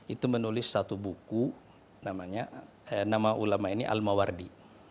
itu menulis satu buku namanya nama ulama ini al mawardi